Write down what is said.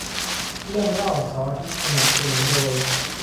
เรื่องเล่าเสาร์อาทิตย์ สนับสนุนโดย